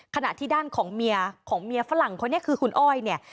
ขณะที่ด้านของเมียของเมียฝรั่งคนนี้คือคุณอ้อยเนี่ย